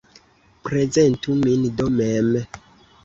Prezentu min do mem!